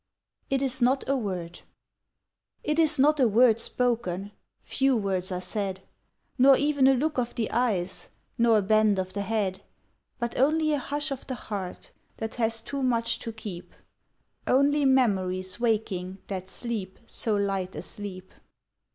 "It Is Not a Word" It is not a word spoken, Few words are said; Nor even a look of the eyes Nor a bend of the head, But only a hush of the heart That has too much to keep, Only memories waking That sleep so light a sleep.